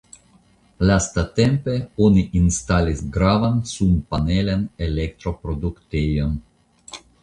Lastatempe oni instalis gravan sunpanelan elektroproduktejon.